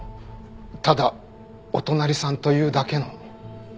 ただお隣さんというだけの。